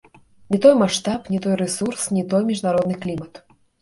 Не той маштаб, не той рэсурс, не той міжнародны клімат.